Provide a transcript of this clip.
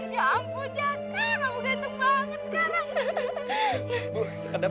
ya ampun cakak kamu ganteng banget sekarang